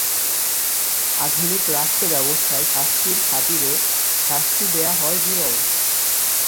আধুনিক রাষ্ট্র ব্যবস্থায় শাস্তির খাতিরে শাস্তি দেয়া হয় বিরল।